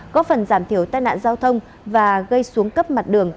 có phần giảm thiểu tai nạn giao thông và gây xuống cấp mặt đường